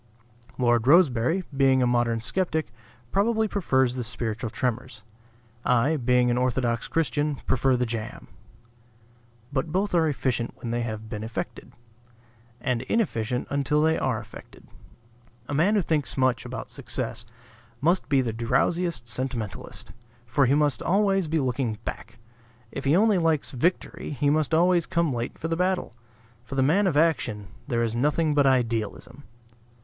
Lord Rosebery, being a modern skeptic, probably prefers the spiritual tremors. I, being an orthodox Christian, prefer the jam. But both are efficient when they have been effected; and inefficient until they are effected. A man who thinks much about success must be the drowsiest sentimentalist; for he must be always looking back. If he only likes victory he must always come late for the battle. For the man of action there is nothing but idealism.